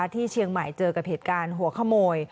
ที่เชียงใหม่เจอกับเหตุการณ์หัวขโมย